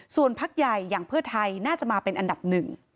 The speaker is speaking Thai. ส่วนพักใหญ่อย่างเพื่อไทยน่าจะมาเป็นอันดับหนึ่ง